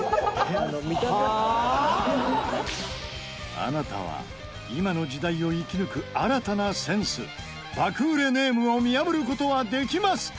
あなたは今の時代を生き抜く新たなセンス爆売れネームを見破る事はできますか？